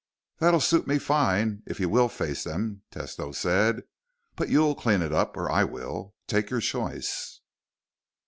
"That'll suit me fine, if you will face them," Tesno said. "But you'll clean up or I will. Take your choice."